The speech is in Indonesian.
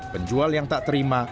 penjual yang tak terima